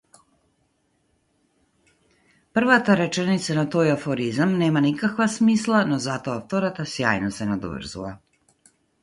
Првата реченица на тој афоризам нема никаква смисла, но затоа втората сјајно се надоврзува.